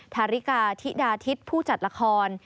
ทาริกาธิดาทิศผู้จัดละคร